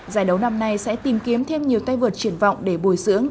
giải đấu năm nay sẽ tìm kiếm thêm nhiều tay vượt triển vọng để bồi dưỡng